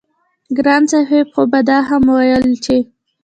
ګران صاحب خو به دا هم وييل چې